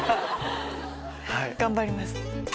頑張ります。